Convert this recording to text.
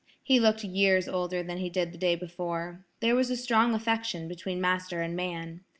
He looked years older than he did the day before. There was a strong affection between master and man.